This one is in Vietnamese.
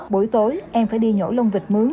buổi tối em phải đi nhổ lông vịt mướn